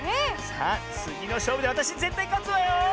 さあつぎのしょうぶであたしぜったいかつわよ！